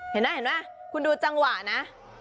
เห็นมั้ยคุณดูจังหวะนะ